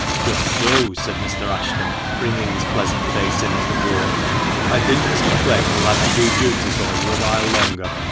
"Just so," said Mr. Ashton, bringing his pleasant face in at the door ;" I think Mr. Clegg will have to do duty for you a while longer.